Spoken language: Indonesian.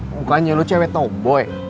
bukannya lo cewek tau boy